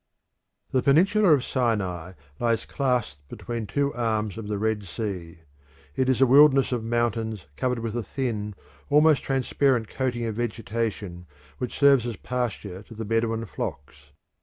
The peninsula of Sinai lies clasped between two arms of the Red Sea. It is a wilderness of mountains covered with a thin, almost transparent coating of vegetation which serves as pasture to the Bedouin flocks.